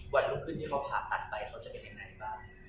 สักครู่ที่เขาผ่านตัดไปเขาจะเป็นอย่างไรหรอ